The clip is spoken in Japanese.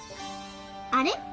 あれ？